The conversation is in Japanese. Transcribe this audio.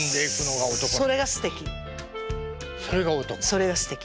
それがすてき。